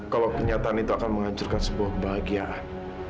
kalau kenyataan itu akan menghancurkan sebuah kebahagiaan